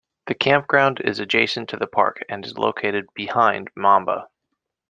The campground is adjacent to the park, and is located "behind" Mamba.